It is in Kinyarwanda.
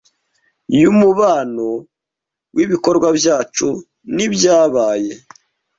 yumubano wibikorwa byacu nibyabaye